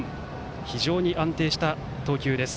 非常に安定した投球です。